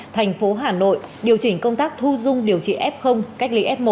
thành phố hà nội điều chỉnh công tác thu dung điều trị f cách ly f một